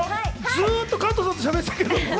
ずっと加藤さんとしゃべってたけど。